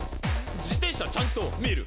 「自転車ちゃんと見る！